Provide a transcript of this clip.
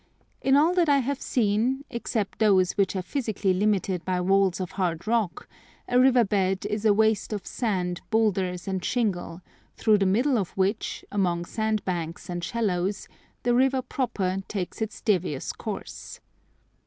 In all that I have seen, except those which are physically limited by walls of hard rock, a river bed is a waste of sand, boulders, and shingle, through the middle of which, among sand banks and shallows, the river proper takes its devious course.